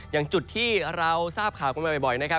อย่างจุดที่เราทราบข่าวกันมาบ่อยนะครับ